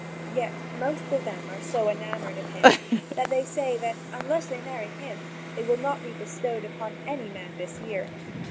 Yet, most of them are so enamoured of him that they say that, unless they marry him, they will not be bestowed upon any man this year.